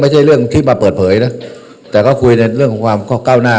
ไม่ใช่เรื่องที่มาเปิดเผยนะแต่ก็คุยในเรื่องของความก้าวหน้า